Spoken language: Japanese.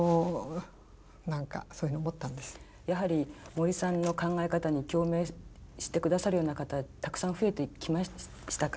やはり森さんの考え方に共鳴して下さるような方たくさん増えてきましたか？